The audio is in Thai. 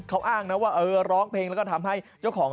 เขาอ้างนะว่าร้องเพลง